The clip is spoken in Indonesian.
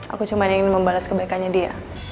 aku cuma ingin membalas kebaikannya dia